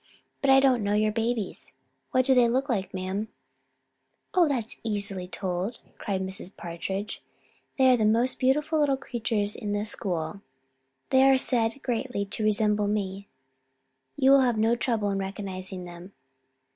But I don't know your babies. What do they look like, ma'am?" "Oh, that is easily told," cried Mrs. Partridge. "They are the most beautiful little creatures in the school. They are said greatly to resemble me. You will have no trouble in recognizing them.